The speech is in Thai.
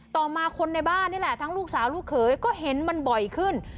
ต่อมาคนในบ้านนี่แหละทั้งลูกสาวลูกเขยก็เห็นมันบ่อยขึ้น